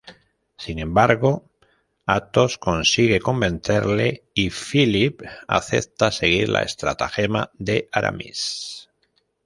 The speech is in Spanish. Sin embargo, Athos consigue convencerle y Philippe acepta seguir la estratagema de Aramis.